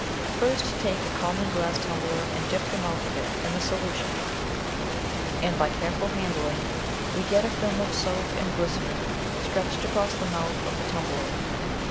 First take a common glass tumbler and dip the mouth of it into the solution and by careful handling we can get a film of soap and glycerin stretched across the mouth of the tumbler.